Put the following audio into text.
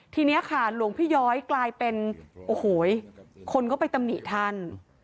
ทีนี้ค่ะหลวงพี่ย้อยกลายเป็นโอ้โหคนก็ไปตำหนิท่าน